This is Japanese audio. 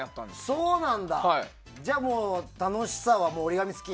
そうなんだ、じゃあもう楽しさは折り紙付き？